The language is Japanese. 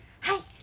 はい。